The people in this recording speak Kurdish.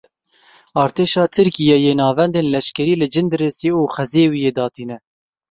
Artêşa Tirkiyeyê navendên leşkerî li Cindirêsê û Xezêwiyê datîne.